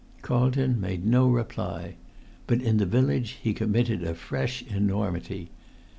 Carlton made no reply. But in the village he committed a fresh enormity.